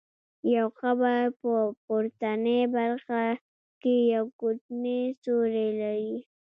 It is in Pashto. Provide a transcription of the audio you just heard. یو قبر په پورتنۍ برخه کې یو کوچنی سوری لري.